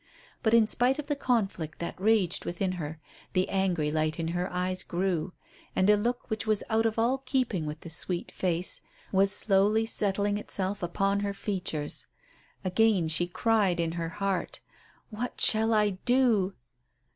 But in spite of the conflict that raged within her the angry light in her eyes grew, and a look which was out of all keeping with the sweet face was slowly settling itself upon her features. Again she cried in her heart, "What shall I do?"